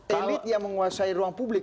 elit yang menguasai ruang publik